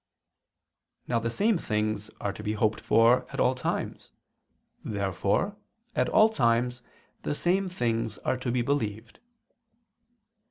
Now the same things are to be hoped for at all times. Therefore, at all times, the same things are to be believed.